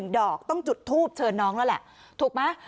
ดอกต้องจุดทูบเชิญน้องแล้วแหละถูกไหม